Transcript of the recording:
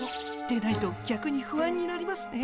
出ないとぎゃくに不安になりますね。